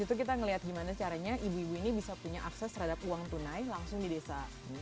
nah dari situ kita lihat di mana caranya ibu ibu ini bisa punya akses terhadap uang tunai langsung di desa